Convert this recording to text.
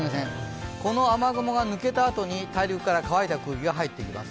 この雨雲が抜けたあとに大陸から乾いた空気が入ってきます。